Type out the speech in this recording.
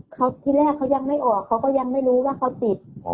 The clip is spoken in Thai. เขาที่แรกเขายังไม่ออกเขาก็ยังไม่รู้ว่าเขาติด